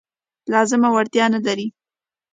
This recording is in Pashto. لازمه وړتیا نه لري.